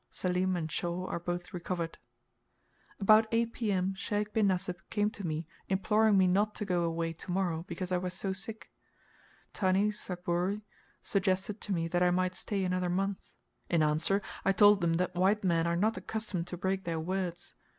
Selim and Shaw are both recovered. About 8 P.M. Sheik bin Nasib came to me imploring me not to go away to morrow, because I was so sick. Thani Sakhburi suggested to me that I might stay another month. In answer, I told them that white men are not accustomed to break their words.